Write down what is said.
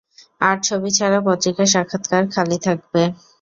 আর, ছবি ছাড়া পত্রিকার সাক্ষাৎকার খালি লাগবে।